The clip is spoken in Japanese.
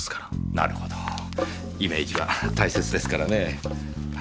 なるほどイメージは大切ですからね。